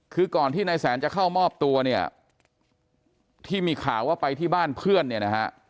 คือก่อนที่นายแสนจะเข้ามอบตัวเนี่ยที่มีข่าวว่าไปที่บ้านเพื่อนเนี่ยนะฮะ